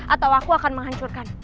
atau aku akan menghancurkan